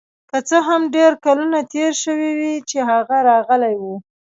که څه هم ډیر کلونه تیر شوي چې هغه راغلی و